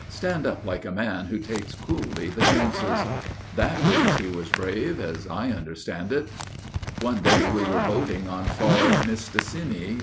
Stand up like a man who takes coolly the chances. That proves he was brave as I understand it. One day we were boating on far Mistassinni.